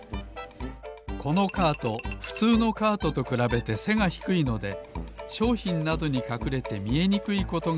このカートふつうのカートとくらべてせがひくいのでしょうひんなどにかくれてみえにくいことがあります。